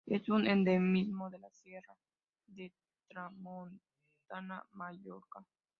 Es un endemismo de la Sierra de Tramontana de Mallorca.